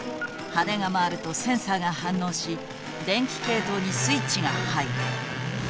羽根が回るとセンサーが反応し電気系統にスイッチが入る。